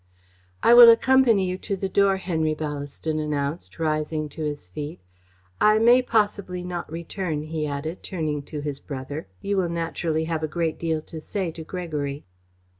"I will accompany you to the door," Henry Ballaston announced, rising to his feet. "I may possibly not return," he added, turning to his brother. "You will naturally have a great deal to say to Gregory."